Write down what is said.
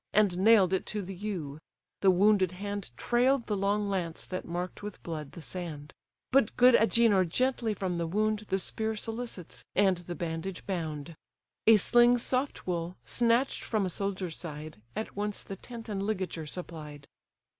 And nailed it to the yew: the wounded hand Trail'd the long lance that mark'd with blood the sand: But good Agenor gently from the wound The spear solicits, and the bandage bound; A sling's soft wool, snatch'd from a soldier's side, At once the tent and ligature supplied.